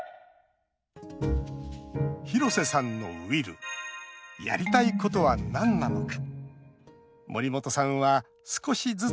廣瀬さんのＷＩＬＬやりたいことは何なのか。